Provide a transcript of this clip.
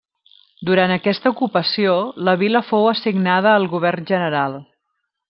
Durant aquesta ocupació, la vila fou assignada al Govern General.